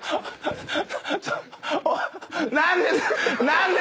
何で。